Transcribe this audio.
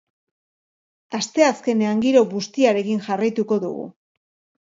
Asteazkenean giro bustiarekin jarraituko dugu.